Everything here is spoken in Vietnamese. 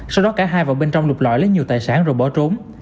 sau đó cả hai và bên trong lục lõi lấy nhiều tài sản rồi bỏ trốn